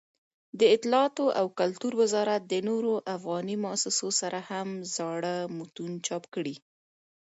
دطلاعاتو او کلتور وزارت د نورو افغاني مؤسسو سره هم زاړه متون چاپ کړي.